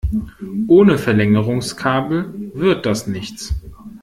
Ohne Verlängerungskabel wird das nichts.